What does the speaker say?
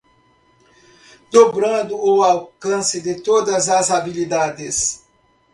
Dobrando o alcance de todas as habilidades